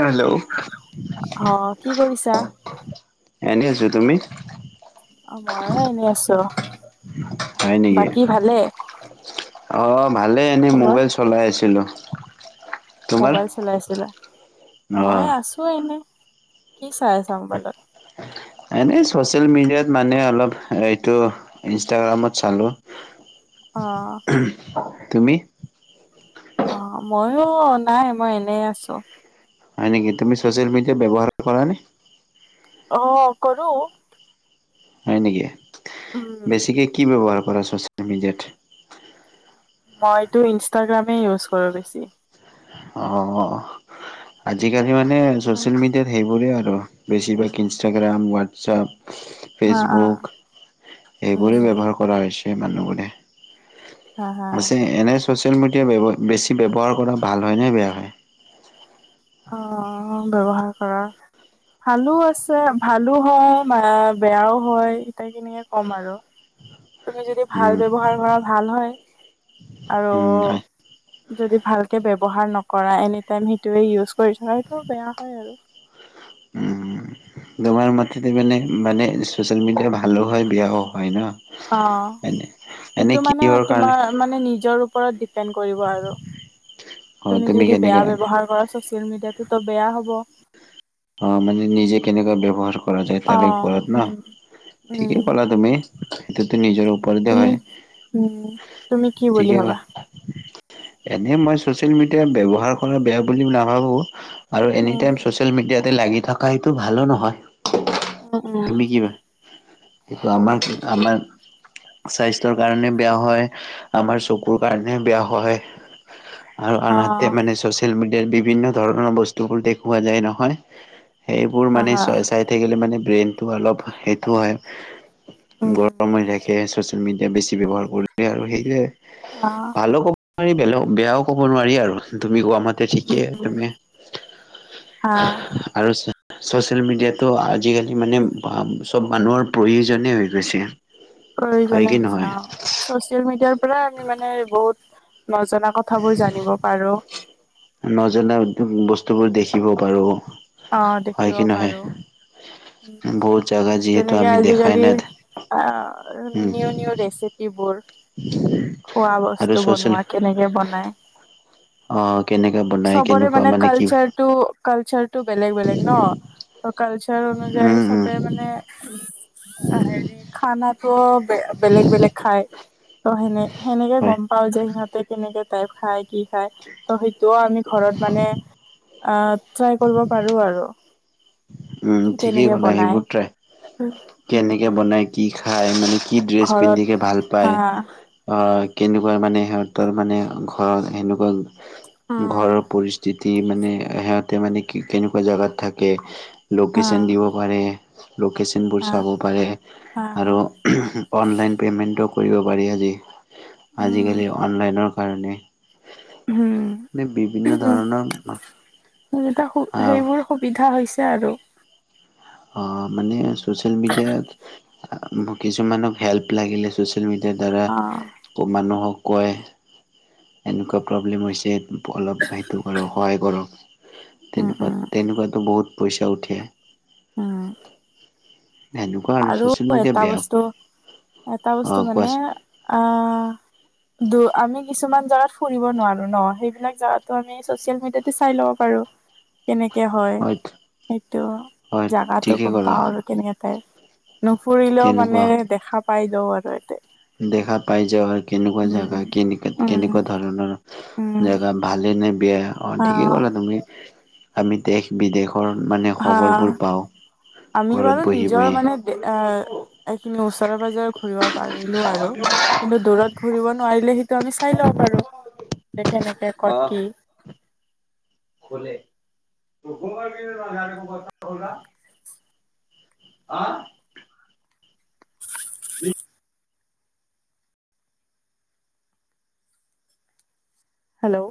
Hello. অঁ, কি কৰিছা? এনে আছো তুমি? অঁ, মইয়ো এনেই আছো। হয় নেকি? বাকী ভালে অঁ, ভালেই এনেই খবৰ মোবাইল চলাই আছিলোঁ। মোবাইল চলাইছিলে। অ মই আছো এনে। কি চাই আছা মোবাইলত? এনেই চচিয়েল মিডিয়াত মানে অলপ এইটো- ইনষ্টাগ্ৰামত চালোঁ। অঁ। তুমি? অঁ, মইয়ো নাই, মই এনে আছোঁ। হয় নেকি? তুমি ছচিয়েল মিডিয়া ব্যৱহাৰ কৰা নে? অঁ, কৰোঁ। হয় নেকি? উম বেছিকে কি ব্যৱহাৰ কৰা চচিয়েল মিডিয়াত? মইতো ইনষ্টাগ্ৰামে ইউজ কৰোঁ বেছি। অঁ, আজিকালি মানে চচিয়েল মিডিয়াত সেইবোৰে আৰু। বেছিভাগ ইনষ্টাগ্ৰাম, হোৱাটছএপ, হা অ ফেচবুক এইবোৰেই উম ব্যৱহাৰ- কৰা হৈছে মানুহবোৰে। হা হা ছে এনেই ছ'চিয়েল মিডিয়া বেছি ব্যৱহাৰ কৰা ভাল হয়নে বেয়া হয়? অঁ, ব্যৱহাৰ কৰা- ভালো আছে ভালো হয়, বেয়াও হয় এতিয়া কেনেকে ক'ম আৰু! তুমি যদি ভাল উম, ব্যৱহাৰ কৰা ভাল হয় উম, নাই আৰু- যদি ভালকে ব্যৱহাৰ নকৰা এনিটাইম সেইটোৱে ইউজ কৰি থাকা, সেইটো বেয়া হয় আৰু। উম, তোমাৰ মতে মানে মানে ছ'চিয়েল মিডিয়া ভালো হয়, বেয়াও হয় ন? অঁ, এনে। এনে এইটো মানে কিহৰ কাৰণে তোমাৰ মানে নিজৰ ওপৰত ডি- পেণ্ড কৰিব আৰু। অ' তুমি যদি বেয়া কেনেকে ব্যৱহাৰ কৰা- চ'চিয়েল মিডিয়াটোতো বেয়া হ'ব। অ', মানে নিজে কেনেকোৱা ব্যৱহাৰ কৰা যায় অ তাৰে ওপৰত ন, উম উম ঠিকেই ক'লা তুমি। এটোতো নিজৰ ওপৰতে তুমি হয়, উম তুমি কি বুলি ঠিকেই ক'লা। ভাবা এনে মই চছিয়েল মিডিয়া ব্যৱহাৰ কৰা বেয়া বুলি নাভাবোঁ‌, আৰু উম এনিটাইম চছি ছিয়েল মিডিয়াতে লাগি থকা এইটো ভালো নহয়, উম উম তুমি কিবা সেইটো আমাক আমাৰ স্বাস্থ্যৰ কাৰণে বেয়া হয়, আমাৰ চকুৰ কাৰণে বেয়া হয়। আৰু অ আনহাতে মানে চ'চিয়েল মিডিয়াৰ বিভিন্ন ধৰণৰ বস্তুবোৰ দেখুওৱা যায় নহয়। সেইবোৰ হা মানে হা চাই চাই থাকিলে মানে ব্ৰেইনটো অলপ সেইটো উম হয়। উম গৰম হৈ থাকে চচিয়েল মিডিয়া বেছি ব্যৱহাৰ কৰিলে আৰু সেইটোৱে। অ'। ভালো ক'ব নোৱাৰি বেলেগ বেয়াও ক'ব নোৱাৰি আৰু তুমি কোৱা মতে ঠিকেই, তুমি আ। আৰু চ-ছচিয়েল মিডিয়াতো আজিকালি মানে চব মানুহৰ প্ৰয়োজনেই হৈ গৈছে। হয় প্ৰয়োজনে কি হৈছে নহয় অ', চচিয়েল মিডিয়াৰ পৰাই আমি মানে বহুত নজনা কথাবোৰ জানিব পাৰোঁ‌। নজনা উম, বস্তুবোৰ দেখিব পাৰোঁ‌। অ', দেখিব পাৰোঁ‌, বহুত জাগা যিহেতু তেনেকে আমি দেখাই আজিকালি নাই আহ উম নিউ নিউ ৰেচিপিবোৰ, খোৱা আৰু বস্তু ছচিয়েল বনোৱা কেনেকে বনাই। অ', কেনেকে বনাই, কেনেকোৱা মানে কি হয়। টো কালচাৰ টো বেলেগ বেলেগ ন, ত' কালচাৰৰ উম অনুযায়ী উম চবে মানে অ', হেৰি খানাতোও বে-বেলেগ বেলেগ খাই। ত' সেন-সেনেকে হয় গম পাওঁ‌ যে সিহঁতে কেনেকে টাইপ খায়। কি খাই ত' সেইটোও আমি ঘৰত মানে অ', ট্ৰাই কৰিব পাৰোঁ‌ আৰু। অ'। উম, ঠিকেই ক'লা, সেইবোৰ ট্ৰাই উম কেনেকে বনাই, কি খাই মানে কি ড্ৰেছ ঘৰত পিন্ধিকে ভাল পায়। হা অ', কেনেকোৱা মানে সিহঁতৰ মানে ঘৰ সেনেকোৱা ঘৰৰ পৰি যিতি মানে সিহঁতে মানে কি কেনেকোৱা জেগাত থাকে, হা লোকেশ্যন দিব পাৰে। লোকেশ্যনবোৰ হা চাব পাৰে, হা হা আৰু উম, অনলাইন পেমেণ্টটো কৰিব পাৰি, উম আজি-আজিকালি অনলাইনৰ কাৰণে। উম মানে বিভিন্ন ধৰণৰ সেইকেইটা, আহ সেইবোৰ সুবিধা হৈছে আৰু। অ', মানে ছ'চিয়েল মিডিয়াত, কিছুমানক হেল্প লাগিলে ছ'চিয়েল ছ'চিয়েল মিডিয়াৰ দ্বাৰা অ ক মানুহক কয় এনেকুৱা প্ৰব্লেম হৈছে। অলপ সেইটো কৰক সহায় কৰক, উম তেনেকুৱা উম তেনেকুৱাতো বহুত পইচা উঠে। উম। সেনেকুৱা আৰু ছচিয়েল মিডিয়া এটা বেয়া বস্তু, এটা অ বস্তু মানে কোৱাচোন আহ দু, আমি কিছুমান জাগাত ফুৰিব নোৱাৰো ন, সেইবিলাক জাগাতো আমি চচিয়েল মিডিয়াতে চাই ল'ব পাৰোঁ‌। কেনেকে হয়, সেইটো হয় জাগাতটো ঠিকেই গম ক'লা পাওঁ‌ আৰু কেনেকে টাইপ। নুফুৰিলেও মানে কেনেকুৱা দেখা পাই যাওঁ আৰু এতে। দেখা পাই যাওঁ আৰু কেনেকুৱা উম জেগা, উম কেনে-কেনেকুৱা ধৰণৰ। উম জেগা ভালে নে বেয়া অ' ঠিকে ক'লা তুমি আমি দেশ-বিদেশ ৰ মানে হা খবৰবোৰ পাওঁ আমি বাৰু ঘৰত বহি, নিজৰ মানে বহি এইখিনি ওচৰে-পাঁজেৰে ঘুৰিব পাৰিলোঁ আৰু কিন্তু দূৰত ঘুৰিব নোৱাৰিলে সেইটো আমি চাই লব পাৰোঁ যে কেনেকে ক'ত কি [unintelligible] অ', হেল্ল'